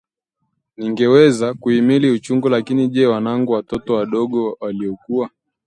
ningeweza kuhimili uchungu lakini je wanangu? Watoto wadogo waliokuwa